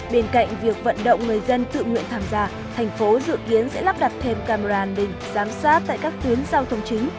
bên cạnh việc vận động người dân tự nguyện tham gia thành phố dự kiến sẽ lắp đặt thêm camera an ninh giám sát tại các tuyến giao thông chính